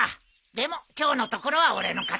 でも今日のところは俺の勝ちだな。